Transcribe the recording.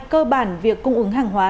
cơ bản việc cung ứng hàng hóa